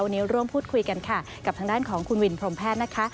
วันนี้ร่วมพูดคุยกันค่ะกับทางด้านของคุณวินพรมแพทย์นะคะ